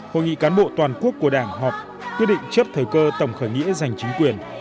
hội nghị cán bộ toàn quốc của đảng họp quyết định chấp thời cơ tổng khởi nghĩa giành chính quyền